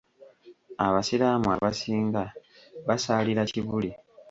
Abasiraamu abasinga basaalira Kibuli .